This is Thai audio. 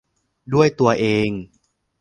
ด้วยตัวเอง